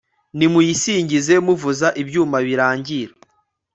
nimuyisingize muvuza ibyuma birangira